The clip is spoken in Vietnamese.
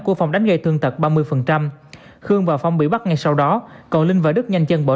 của phòng đánh gây thương tật ba mươi khương và phong bị bắt ngay sau đó còn linh và đức nhanh chân bỏ